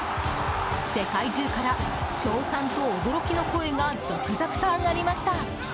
世界中から称賛と驚きの声が続々と上がりました。